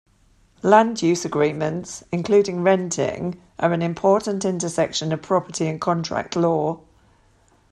Land use agreements, including renting, are an important intersection of property and contract law.